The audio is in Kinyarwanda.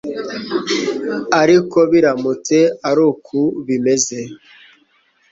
ariko biramutse ari uku bimeze